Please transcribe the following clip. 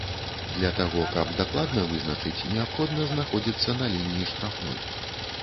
Для таго, каб дакладна вызначыць, неабходна знаходзіцца на лініі штрафной.